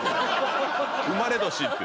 生まれ年って。